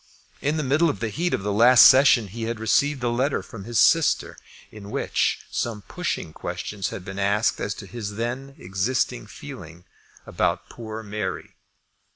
In the middle of the heat of the last session he had received a letter from his sister, in which some pushing question had been asked as to his then existing feeling about poor Mary.